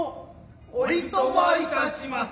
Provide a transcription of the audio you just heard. おいとまいたします。